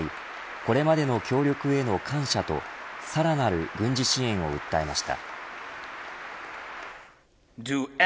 これまでの協力への感謝とさらなる軍事支援を訴えました。